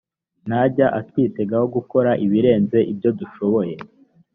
ntajya atwitegaho gukora ibirenze ibyo dushoboye